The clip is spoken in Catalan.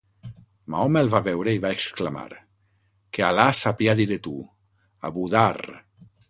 Mahoma el va veure i va exclamar: "Que Al·là s'apiadi de tu, Abu-Dharr!".